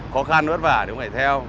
khó khăn vất vả thì cũng phải theo